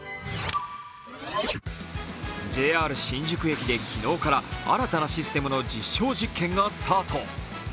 ＪＲ新宿駅で昨日から新たなシステムの実証実験がスタート。